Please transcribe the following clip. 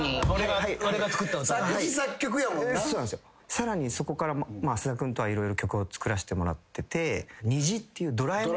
さらにそこから菅田君とは色々曲を作らせてもらってて『虹』っていう『ドラえもん』の。